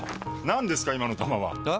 何ですか今の球は！え？